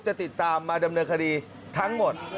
จะติดตามมาดำเนินคดีทั้งหมด